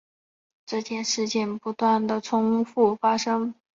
这种事件不断地重覆发生。